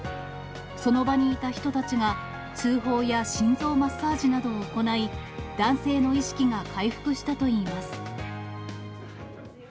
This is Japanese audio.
その場にいた人たちが、通報や心臓マッサージなどを行い、男性の意識が回復したといいます。